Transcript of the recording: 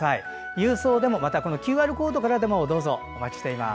郵送でも、ＱＲコードからでもお待ちしています。